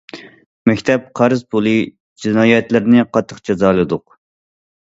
« مەكتەپ قەرز پۇلى» جىنايەتلىرىنى قاتتىق جازالىدۇق.